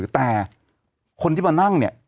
แต่คนที่เรานั่ง